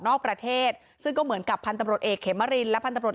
นอกประเทศซึ่งก็เหมือนกับพันธุ์ตำรวจเอกเขมรินและพันธบรวจ